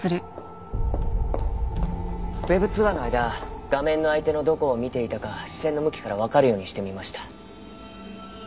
Ｗｅｂ通話の間画面の相手のどこを見ていたか視線の向きからわかるようにしてみました。